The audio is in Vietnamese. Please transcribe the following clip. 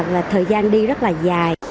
và thời gian đi rất là dài